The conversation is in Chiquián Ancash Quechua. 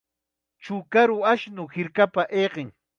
Chukaru ashnu hirkapa ayqin.